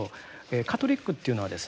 カトリックというのはですね